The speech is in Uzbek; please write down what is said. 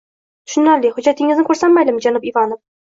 Tushunarli. Hujjatingizni ko'rsam maylimi, janob Ivanov?